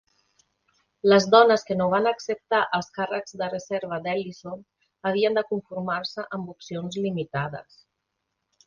Les dones que no van acceptar els càrrecs de reserva d'Ellison havien de conformar-se amb opcions limitades.